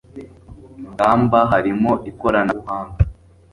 ngamba harimo ikoranabuhanga